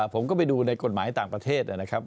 ผมก็ไปดูในกฎหมายต่างประเทศนะครับ